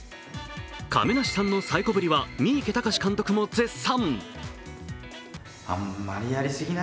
亀梨さんのサイコぶりは三池崇史監督も絶賛。